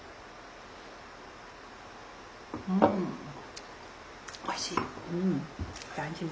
うんおいしい。